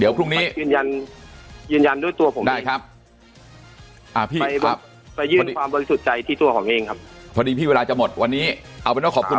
เดี๋ยวพรุ่งนี้ยืนยันยืนยันด้วยตัวผมได้ครับ